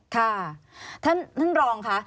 ค่ะท่านท่านรองค่ะ